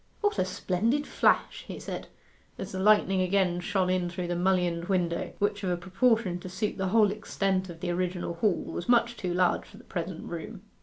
'What a splendid flash!' he said, as the lightning again shone in through the mullioned window, which, of a proportion to suit the whole extent of the original hall, was much too large for the present room.